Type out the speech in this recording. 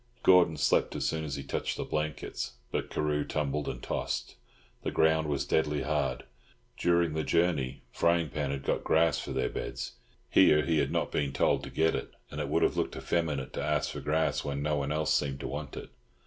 Gordon slept as soon as he touched the blankets, but Carew tumbled and tossed. The ground was deadly hard. During the journey Frying Pan had got grass for their beds; here he had not been told to get it, and it would have looked effeminate to ask for grass when no one else seemed to want it.